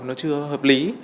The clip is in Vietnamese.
nó chưa hợp lý